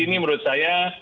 ini menurut saya